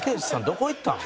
どこ行ったん？